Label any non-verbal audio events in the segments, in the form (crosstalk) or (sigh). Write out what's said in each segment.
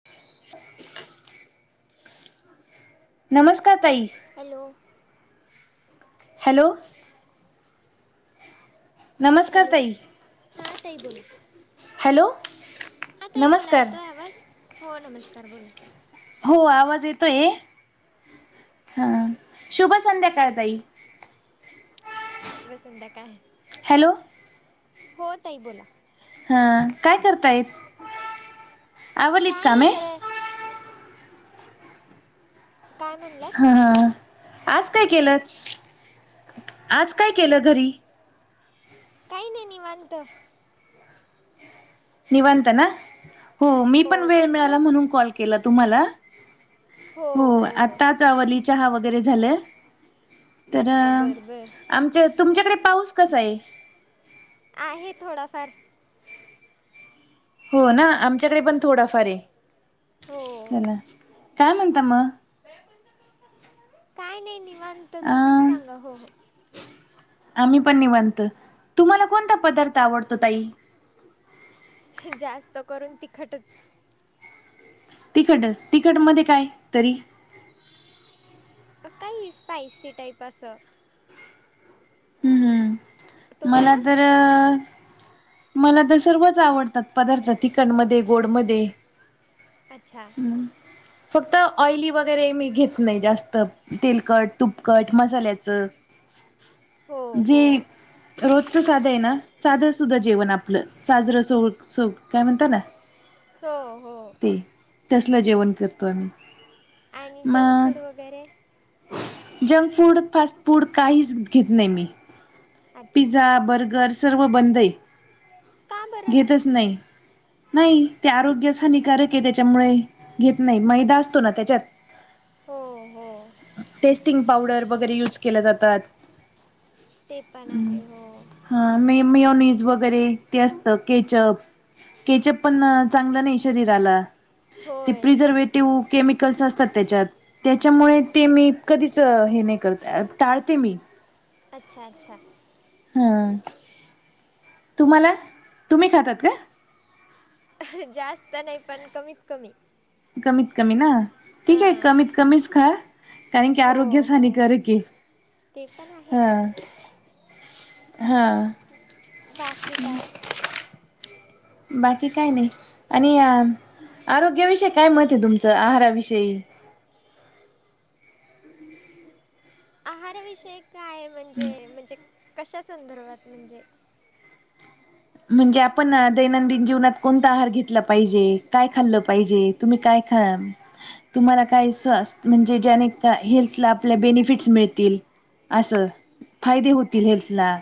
(inaudible) नमस्कार ताई hello hello नमस्कार हॅलो ताई हां ताई हॅलो हा ताई बोला नमस्कार येतोय आवाज हो नमस्कार बोला हो आवाज येतो ये हा शुभ संध्याकाळ ताई शुभ संध्याकाळ हॅलो हो ताई बोला हा काय करता येत काय नि जर हा ह आज काय केलं आज काय केलं घरी काही नाही निवत निवांत ना हो मी पण वेळ मिळाला म्हणून कॉल केला तुम्हाला हो आताचवली चहा वगैरे झालं तर अच्छा बरं बरं आमच्या तुमच्याकडे पाऊस कसा आहे आहे थोडंफार हो ना आमच्याकडे पण थोडाफार आहे हो चला काय म्हणता मग काय नाही निवांत तुम्हीच अं सांगा हो हो आम्ही पण निवांतो तुम्हाला कोणता पदार्थ आवडतो ताई जास्त करून तिखटच तिखटच तिखट मध्ये काय तरी काही स्पायसी टाईप असं हम् हम् मला तुम्हाला तर मला तर सर्वच आवडतात पदार्थ चिकन मध्ये गोड म अच्छा हमं फक्त ऑइली वगैरे मी घेत नाही जास्त तेलकट तुपकट मसाल्याचं हो जे हो रोजच साधा आहे ना साधा सुधा जेवण आपलं साजरं स काय म्हणत ना हो हो ते तसलं जेवण करतो आम्ही आणि जंक मग फूड वगैरे जंक फूड फास्ट फूड काहीच घेत नाही मी अच्छा पिझ्झा बर्गर सर्व बंद आहे का बरं घेतच नाही नाही ते आरोग्याच हानिकारक आहे त्याच्यामुळे घेत नाही मैदा असतो ना त्याच्यात हो हो टेस्टिंग पावडर वगैरे युज केल्या जातात ते पण आहे हो हा मेह मी नस ब वगैरे ते असत केचप केचप पण चांगलं नाही शरीराला ते होय प्रिझर्वेटिव्ह केमिकल्स असतात त्याच्यात त्याच्यामुळे ते मी कधीच हे नाही करत टाळते मी अच्छा अच्छा हम्म तुम्हाला तुम्ही खातात का जास्त नाही पण कमीत कमी कमीत कमी ना ठीक आहे हां कमीत कमीच खा कारण की हो आरोग्यचहानी हो कर की ते पण आहे हा बाकी काय बाकी काय नाही आणि आरोग्याविषयी काय म्हहत तुमचं आहाराविषयी आहारविषय काय म्हणजे म्हणजे कशा संदर्भात म्हणजे म्हणजे आपण ना दैनंदिन जीवनात कोणता आहार घेतला पाहिजे काय खाल्लं पाहिजे तुम्ही काय खा तुम्हाला काही स्वास् म्हणजे ज्याने का हेल्थला आपल्या बेनिफिट्स मिळतील असं फायदे होतील हेल्थला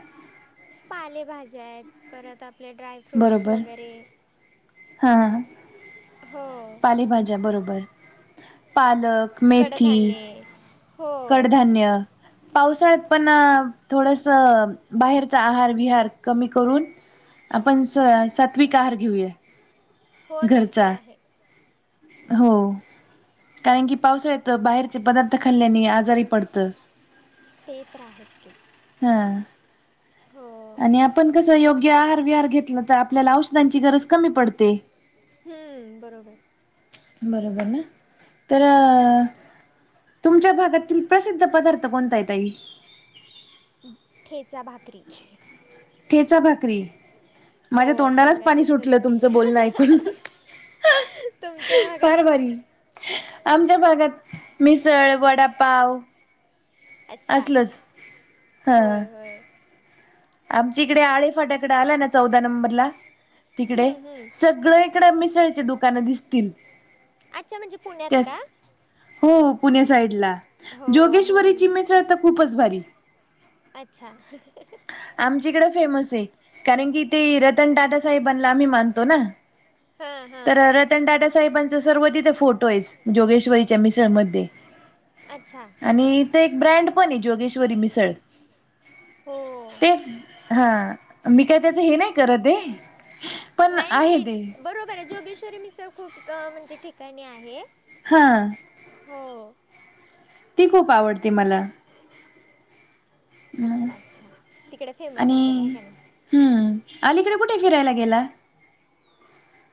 पालेभज्या आहेत परत आपले ड्राय बरोबर हां हो पालेभाज्या बरोबर पालक मेथी कडधान्य कडधान्य पावसाळ्यात पण थोडस बाहेरचा आहार विहार कमी करून आपण स सात्वीिक आहार घेऊया हो नाते घरचा आहे हो कारण की पावसाळ्यात बाहेरचे पदार्थ खाल्ल्याने आजारी पडतं ते तर रा आहेच की हा हो आणि आपण कसं योग्य आहार विहार घेतलं तर आपल्याला औषधांची गरज कमी पडते हम्म बरोबर बरोबर ना तर तुमच्या भागातील प्रसिद्ध पदार्थ कोणता आहे ताई. ठेचा भाकरी. ठेचा भाकरी. माझ्या हो तोंडालाच पाणी शेंगाची सुटलं, तुमचं चटणी बोलणं ऐकून. तुमच्या भागात फार भारी. आमच्या भागात मिसळ वडापाव. अच्छा असलच हा, होय होय आमच्या इकडे आळेफाट्याकडे आला, ना चौदा नंबरला तिकडे असच. हम्म हम्म सगळीकडे मिसळची दुकानं दिसतील. अच्छा म्हणजे पुण्यात का? त्यास हो, पुणे साईड ला हो जोगेश्वरीची म्हणून मिसळ तर खूपच भारी. अच्छा, आमच्या इकडं फेमस आहे. कारण कि तेे रतन टाटा साहेबांना आम्ही मानतो ना, हां तर हां रतन टाटासाहेबांचा सर्व तिथे फोटो आहे. जोगेश्वरीच्या मिसळमध्ये अच्छा, आणि ते एक ब्रँड पण आहे. जोगेश्वरी मिसळ हो ते हा, मी काय त्याच हे नाही करत आहे. पण नाही नाही आहे नाही, ते बरोबर आहे. जोगेश्वरी मिसळ खूप म्हणजे ठिकाणी आहे. हा, हो, ती खूप आवडते मला. अच्छा अच्छा, तिकडे फेमस आणि असेल आहे का नाही? हम्म, अलीकडे कुठे, फिरायला गेलात.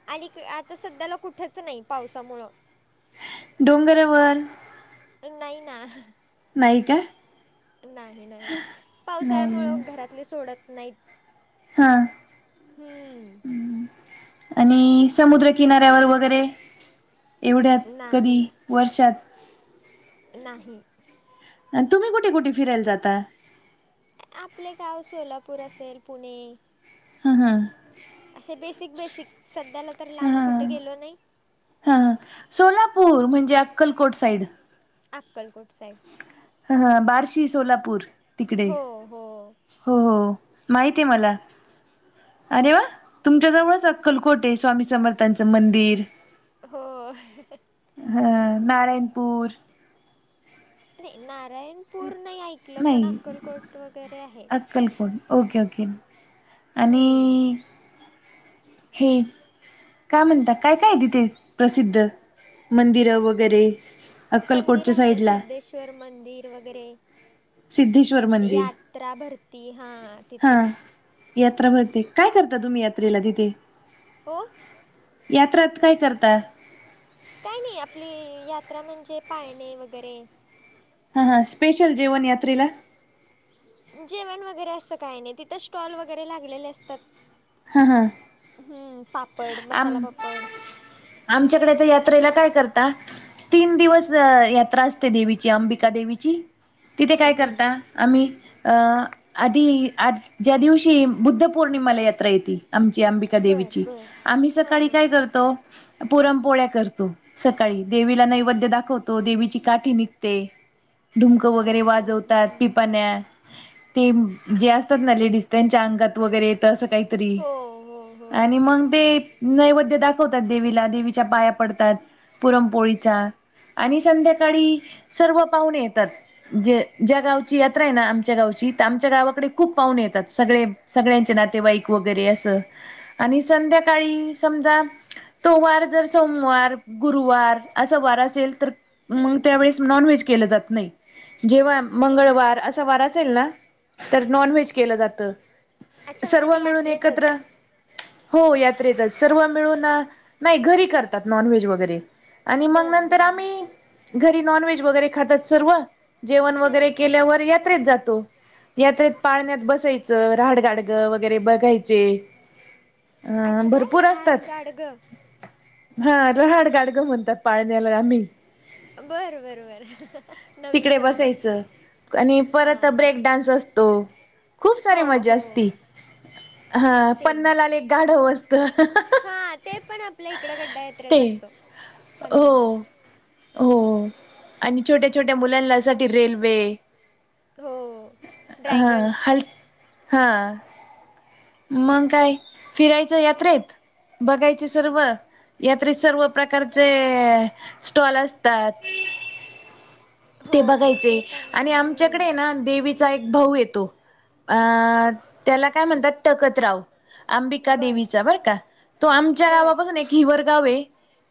अली आ आणि आता सध्याला कुठेच नाही पावसामुळं. डोंगरावर नाहीय ना, नाही काय? नाही नाही, पावसाळ्यामुळं घरातले सोडत नाहीत. हा, हम्म, आणि समुद्रकिनाऱ्यावर वगैरे एवढ्यात कधी नाही वर्षात नाही. तुम्ही कुठे कुठे, फिरायला जाता. आपले गाव सोलापूर असेल पुणे. (unintelligible) असे बेसिक बेसिक, सध्याला तर ह लांब हा कुठं गेलो नाही. हा, सोलापूर म्हणजे अक्कलकोट साईड. अक्कलकोट साईड. ह, बार्शी, सोलापूर तिकडे हो हो हो हो, माहित आहे मला. अरे व्हा, तुमच्याजवळच अक्कलकोट आहे. स्वामी समर्थांच मंदिर. होय. ह, नारायणपूर नये, नारायणपूर नाही ऐकलं, पण नाही अक्कलकोट वगैरे आहे. अक्कलकोट ओके ओके, आणि हम्म हे का म्हणतात? काय काय, तिथे प्रसिद्ध मंदिरं वगैरे अक्कलकोटच्या साईडला. ईश्वर मंदिर वगैरे, सिद्धेश्वर मंदिर यात्रा भरते हा हां तिथेच, यात्रा भरते काय करता तुम्ही यात्रेला तिथे, हो यात्रात काय करता काय नाही आपली यात्रा म्हणजे पाळणे वगैरे हा हां स्पेशल जेवन यातेला जेवण वगैरे असं काही नाही तिथं स्टॉल वगैरे लागलेले असतात हा हां हम्म पापड मसाला आम पापड आमच्याकडे तर यात्रेला काय करता तीन दिवस यात्रा असते देवीची अंबिका देवीची तिथे हम्म, काय करता हम्म. आम्ही आधी आज ज्या दिवशी बुद्ध पौर्णिमाला यात्रा येते आमची अंबिका बर देवीची बर आम्ही हां सकाळी हां काय करतो पुरमपोळ्या करतो सकाळी देवीला नैवेद्य दाखवतो देवीची काठी निघते डुमकं अच्छा वगैरे हां हां वाजवतात हां पिपाण्या ते जे असतात ना लेडिस् त्यांच्या अंगात वगैरे येत असं काहीतरी हो हो हो आणि मग ते नैवेद्य दाखवतात देवीला देवीच्या पाया पडतात पुरमपोळीच्या आणि संध्याकाळी सर्व पाहुणे येतात जे ज्या गावची यात्रा आहे ना आमच्या गावची तर आमच्या गावाकडे खूप पाहुणे येतात सगळे सगळ्यांचे नातेवाईक वगैरे असं आणि संध्याकाळी समजा तो वार जर सोमवार गुरुवार असं वार असेल तर मग हम्म, त्यावेळेस नॉन व्हेज केलं जात नाही जेव्हा बर मंगळवार असा वार तर नॉन व्हेज केलं जात अच्छा म्हणजे सर्व ते मिळून एकत्र यात्रेतच हो यात्रेतच सर्व मिळून नाही घरी करतात नॉनव्हेज वगैरे आणि मग बर नंतर बर बर आम्ही घरी नॉन व्हेज वगैरे खातात सर्व जेवण हम्म, वगैरे केल्यावर या यात्रेत जातो यात्रेत पाळण्यात बसायचं राहाडगाडगं वगैरे बघायचे अच्छा काय भरपूर अस राड असतात गाडग हा रहाड गाडगं म्हणतात पाळण्याला आम्ही बरं बरं बरं तिकडे बसायचं आणि परत हां हां ब्रेक डान्स असतो खूप सारी हो मजा हो असती हा पन्नालाला एक गाढव असते हा ते पण आपल्या इकड गड्ड्या यात्रेत ते असतो पन्नालाल हो हो आणि छोट्या छोट्या मुलांना सा रेल्वे हो हा ड्रॅगन हल हा मग काय फिरायचं यात्रेत बघायचे सर्व यात्रेतसर्व प्रकारचे स्टॉल असतात ते हो हो बघायचे ते पण आणि आहे हम्म, आमच्याकडे ना देवी तिचा एक भाऊ येतो अ त्याला काय म्हणतात तकतराव अंबिका देवीचा बर का तो आमच्या बर गावापासून हिवर गाव आहे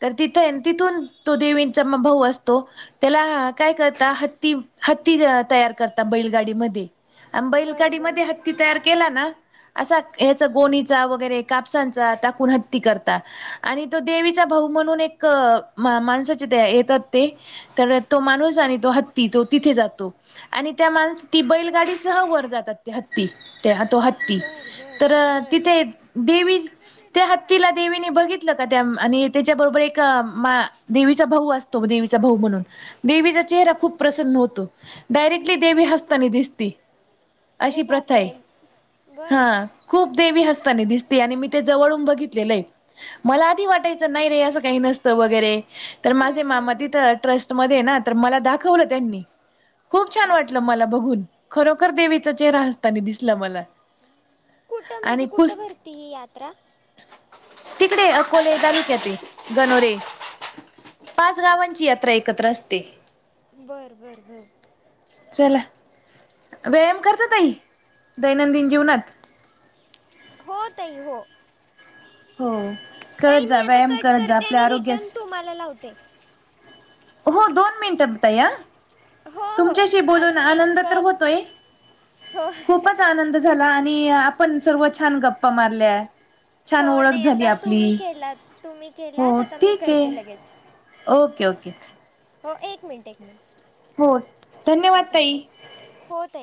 तर तिथ तिथून तो देवीचा भाऊ असतो त्याला का ह हती तयार कर बैगाडी म बर बैाडी म बर हती तयार केला ना असा ह्याच गोणीचा वगैरे कापसांचा टाकून हत्ती करता आणि तो देवीचा भाऊ म्हणून एक माणसाचे येतात ते तर तो माणूस आणि तो हत्ती तो तिथे जातो आणि त्या माणस ती बैलगाडी सह वर जातात हत्ती त्या तो हत्ती बर बर तर बर तिथे देवि त्या हत्तीला देविनं बघित का त्या आणि त्याच्याबरोबर एक देवीचा भाऊ असतो देवीचा भाऊ म्हणून देवीचा चेहरा खूप प्रसन्न होतो डायरेक्टली देवी हस्ताने दिसती अशी अरे प्रथा आहे बापरे बर हा खूप देवी हसताना दिसते आणि मी त्या जवळून बघितलेलंय मला आधी वाटायचं नाही रे असं काही नसतं वगैरे तर माझे हम्म, हम्म, मामा हम्म. तिथ ट्रस्टमध्येध्ये ना तर मला दाखवलं त्यांनी खूप छान वाटलं अच्छा मला बघून... खरोखर देवीचा चेहरा हसतानी दिसला मला कुठं... म्हणजे आणि कुठं कुस भरती ही यात्रा तिकडे... अकोले तालुक्यात ए... गनोरे पाच गावांची यात्रा एकत्र असते बरं बरं बरं चला... व्यायाम करता ताई... दैनंदिन जीवनात? हो... ताई हो... हो ताई करत मी जा आता व्यायाम कट करत जा करते आपल्या आणि रिटर्न आरोग्यास तुम्हाला ला लावते हो... दोन मिनिटात या हो हो तुमच्याशी बोलून अजून एक आनंद तर कप होतोय... हो खूपच आनंद झाला आणि आपण सर्व... छान गप्पा मारल्या छान हो ओळख नाही झाली आता आपली... तुम्ही केलात तुम्ही हो... केलात आता मी ठीक ए करते लगेच ओके ओके हो... एक मिनिट... एक मिनिट हो... हां धन्यवाद ताई चालते हो ताई